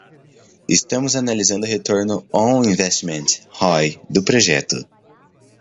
Estamos analisando o retorno on investment (ROI) do projeto.